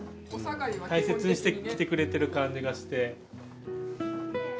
大切にして着てくれてる感じがして。